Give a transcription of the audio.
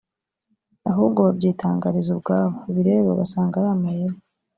ahubwo babyitangariza ubwabo; ibi rero basanga ari amayeri